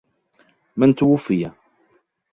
من توفي ؟